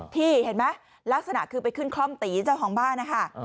พี่เห็นไหมลักษณะคือไปขึ้นคล่อมตีเจ้าของบ้านนะคะ